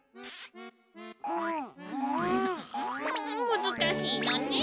むずかしいのね！